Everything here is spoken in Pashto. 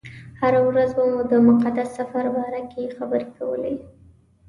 هره ورځ به مو د مقدس سفر باره کې خبرې کولې.